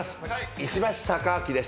石橋貴明です。